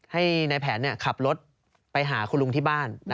ให้นายแผนขับรถไปหาคุณลุงที่บ้าน